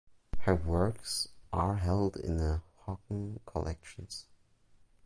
Her works are held in the Hocken Collections.